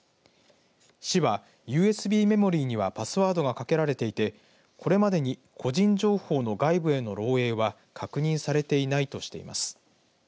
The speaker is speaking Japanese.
市はＵＳＢメモリーにはパスワードがかけられていてこれまでに個人情報の外部への漏えいは確認されていないとしています。